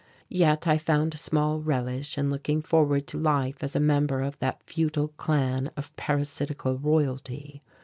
Yet I found small relish in looking forward to life as a member of that futile clan of parasitical Royalty.